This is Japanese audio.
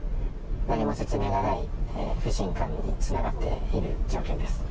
何も説明がない、不信感につながっている状況です。